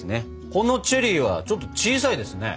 このチェリーはちょっと小さいですね。